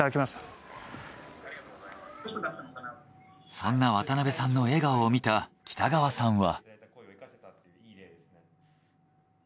そんな渡辺さんの笑顔を見た北川さんは。